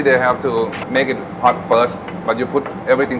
เฟรดแล้วก็โบรกนิดหน่อย